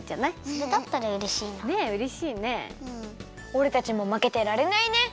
おれたちもまけてられないね！